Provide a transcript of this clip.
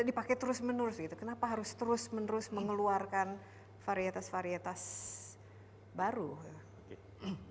kenapa harus terus menerus mengeluarkan varietas varietas baru